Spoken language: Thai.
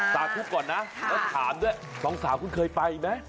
สาธุก่อนนะแล้วถามด้วยสองสาวคุณเคยไปไหม